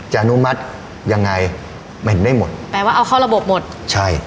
อนุมัติยังไงเหม็นได้หมดแปลว่าเอาเข้าระบบหมดใช่